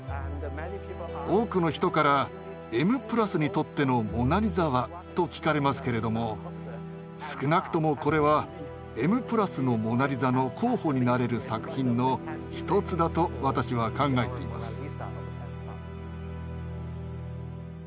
多くの人から「『Ｍ＋』にとっての『モナリザ』は？」と聞かれますけれども少なくともこれは「Ｍ＋」の「モナリザ」の候補になれる作品の一つだと私は考えています。